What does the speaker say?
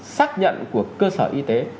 xác nhận của cơ sở y tế